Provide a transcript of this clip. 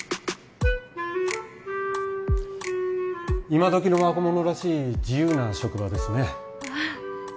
今どきの若者らしい自由な職場ですねああ